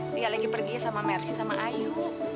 lia lagi pergi sama mersi sama ayu